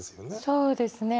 そうですね。